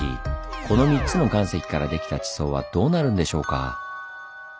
この３つの岩石からできた地層はどうなるんでしょうか？